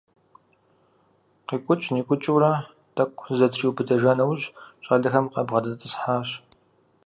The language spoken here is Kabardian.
КъикӀукӀ-никӀукӀыурэ тӀэкӀу зызэтриубыдэжа нэужь, щӀалэхэм къабгъэдэтӀысхьэжащ.